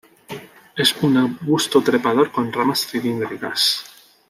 Es un arbusto trepador con ramas cilíndricas.